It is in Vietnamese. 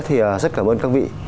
thì rất cảm ơn các vị